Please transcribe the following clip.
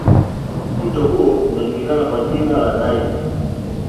Mto huo unajulikana kwa jina la Nile